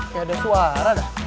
kayak ada suara dah